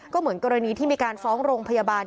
ก็เหมือนกรณีที่มีการฟ้องโรงพยาบาล